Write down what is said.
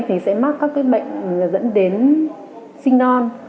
thì sẽ mắc các bệnh dẫn đến sinh non